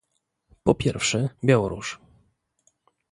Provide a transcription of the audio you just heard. Po pierwsze - Białoruś